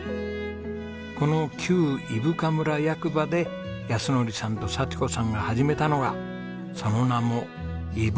この旧伊深村役場で靖憲さんと佐千子さんが始めたのがその名もいぶ